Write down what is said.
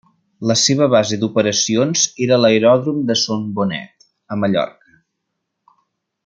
La seva base d'operacions era l'Aeròdrom de Son Bonet, a Mallorca.